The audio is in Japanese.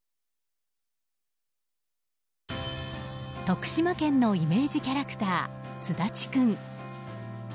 徳島県のイメージキャラクターすだちくん。